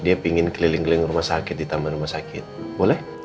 dia pingin keliling keliling rumah sakit di taman rumah sakit boleh